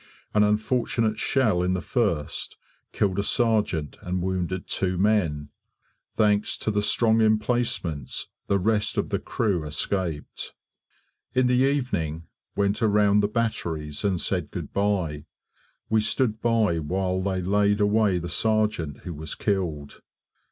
An unfortunate shell in the 1st killed a sergeant and wounded two men; thanks to the strong emplacements the rest of the crew escaped. In the evening went around the batteries and said good bye. We stood by while they laid away the sergeant who was killed.